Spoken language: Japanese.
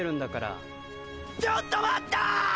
「ちょっと待ったぁ！！」